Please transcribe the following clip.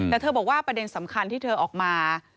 แต่เธอบอกว่าประเด็นสำคัญที่เธอออกมา